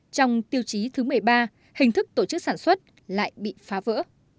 trong tiêu chí thứ một mươi ba hình thức tổ chức sản xuất lại bị phá vỡ